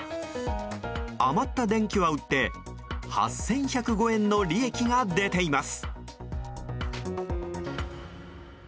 余った電気は売って８１０５円の利益が出ています。